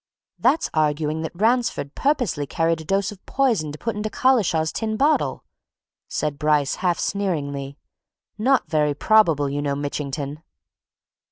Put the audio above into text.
"That's arguing that Ransford purposely carried a dose of poison to put into Collishaw's tin bottle!" said Bryce half sneeringly. "Not very probable, you know, Mitchington."